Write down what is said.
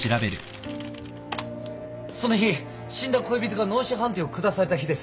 その日死んだ恋人が脳死判定を下された日です。